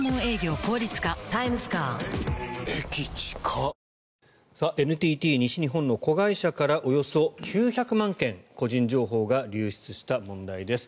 便質改善でラクに出すＮＴＴ西日本の子会社からおよそ９００万件個人情報が流出した問題です。